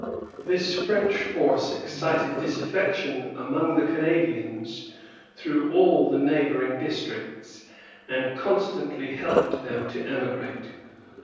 This French force excited disaffection among the Acadians through all the neighboring districts, and constantly helped them to emigrate.